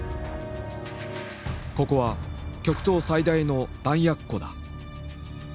「ここは極東最大の弾薬庫だ。